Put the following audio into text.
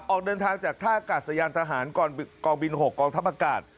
ออกเดินทางจากท่ากาศยานทหารกองบิน๖กองทัพอากาศ